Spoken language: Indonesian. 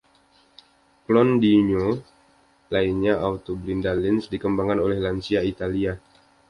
Klon Dingo lainnya, "Autoblinda Lince" dikembangkan oleh Lancia, Italia.